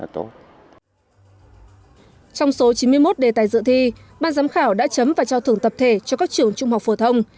trong số chín mươi một đề tài dự thi ban giám khảo đã chấm và trao thưởng tập thể cho các trường trung học phổ thông